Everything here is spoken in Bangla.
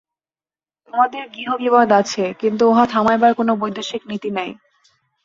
আমাদের গৃহবিবাদ আছে, কিন্তু উহা থামাইবার কোন বৈদেশিক নীতি নাই।